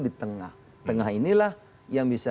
di tengah tengah inilah yang bisa